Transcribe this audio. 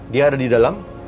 dia ada di dalam